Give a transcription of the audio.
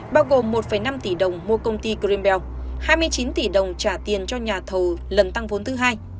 bao gồm một năm tỷ đồng mua công ty greenbel hai mươi chín tỷ đồng trả tiền cho nhà thầu lần tăng vốn thứ hai